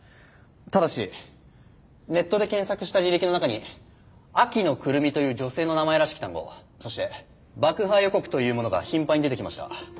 ただしネットで検索した履歴の中に「秋野胡桃」という女性の名前らしき単語そして「爆破予告」というものが頻繁に出てきました。